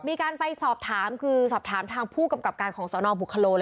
มีการไปสอบถามคือสอบถามทางผู้กำกับการของสนบุคโล